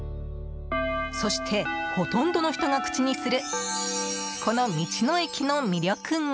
そして、ほとんどの人が口にするこの道の駅の魅力が。